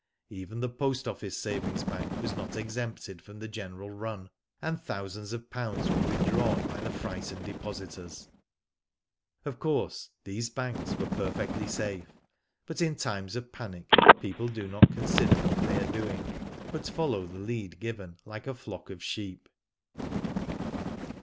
Even the Post Office Savings Bank was not exempted from the general run, and thousands of pounds were withdrawn by the frightened de positors. Of course, these banks were perfectly safe; but in times of panic, people do not con sider what they are doing, but follow the lead given, like a flock of sheep.